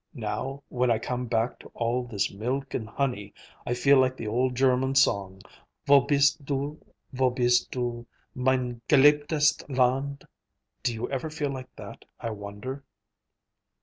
Now, when I come back to all this milk and honey, I feel like the old German song, 'Wo bist du, wo bist du, mein geliebtest Land?'—Do you ever feel like that, I wonder?"